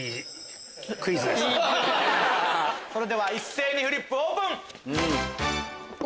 それでは一斉にフリップオープン！